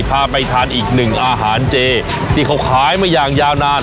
พาไปทานอีกหนึ่งอาหารเจที่เขาขายมาอย่างยาวนาน